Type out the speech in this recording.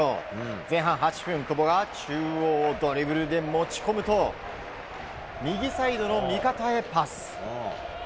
前半８分、久保が中央をドリブルで持ち込むと右サイドの味方へパス。